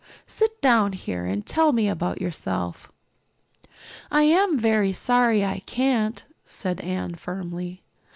Sit down here and tell me about yourself." "I am very sorry I can't," said Anne firmly.